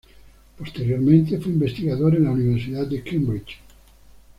Posteriormente, fue investigador en la Universidad de Cambridge.